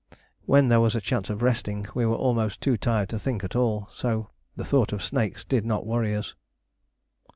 When there was a chance of resting, we were almost too tired to think at all, so the thought of snakes did not worry us.